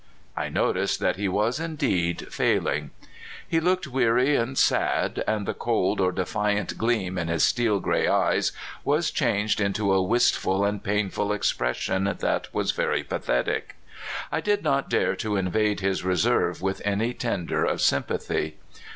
I noticed that he was indeed " failing." He looked weary and sad, and the cold or defiant gleam in his steel gray eyes was changed into a wistful and painful expression that was very pa thetic. I did not dare to invade his reserve with any tender of sympathy.